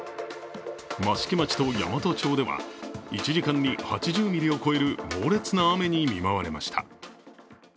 益城町と山都町では１時間に８０ミリを超える猛烈な雨に見舞われました。